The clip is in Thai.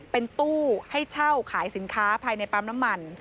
เป็นตู้ให้เช่าขายสินค้าภายในปั๊มน้ำมัน